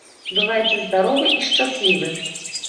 Бывайце здаровы і шчаслівы!